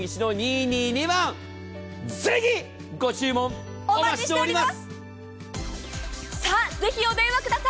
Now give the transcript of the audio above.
ぜひ、ご注文お待ちしております！